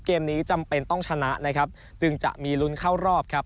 เกมนี้จำเป็นต้องชนะนะครับจึงจะมีลุ้นเข้ารอบครับ